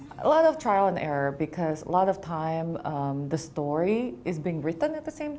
banyak pencobaan dan kesalahan karena banyak waktu cerita diwawancara pada waktu yang sama